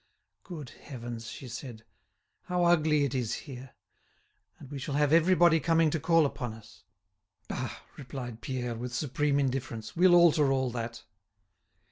"Good Heavens!" she said, "how ugly it is here! And we shall have everybody coming to call upon us!" "Bah!" replied Pierre, with supreme indifference, "we'll alter all that."